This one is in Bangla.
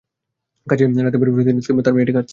কাজ শেষে রাতে বাড়ি ফিরে তিনি দেখতে পান তাঁর মেয়েটি কাঁদছে।